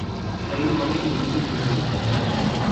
la ment humana es divideix en tres nivells